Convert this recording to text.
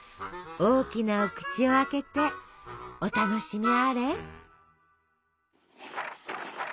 大きなお口を開けてお楽しみあれ。